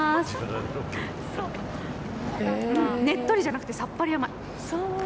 ねっとりじゃなくてさっぱり甘い。